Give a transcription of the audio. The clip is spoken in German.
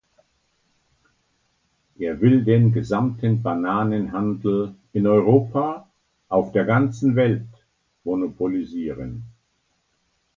Er will den gesamten Bananenhandel in Europa, auf der ganzen Welt monopolisieren.